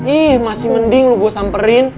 ih masih mending lu gue samperin